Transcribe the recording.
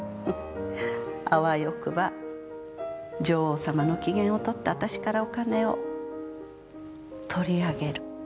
あわよくば女王様の機嫌をとって私からお金を取り上げる。